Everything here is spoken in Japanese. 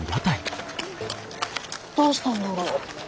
どうしたんだろう？